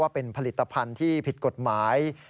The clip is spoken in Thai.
เป็นผลิตภัณฑ์ที่ผิดกฎหมาย